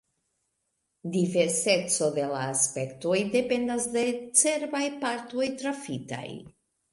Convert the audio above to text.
Diverseco de la aspektoj dependas de cerbaj partoj trafitaj.